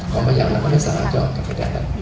ของมะยาวระมักศึกษาจากพระเจ้าไป